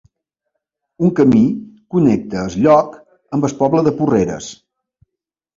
Un camí connecta el lloc amb el poble de Porreres.